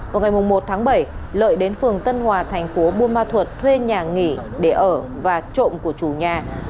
vào ngày một tháng bảy lợi đến phường tân hòa thành phố buôn ma thuột thuê nhà nghỉ để ở và trộm của chủ nhà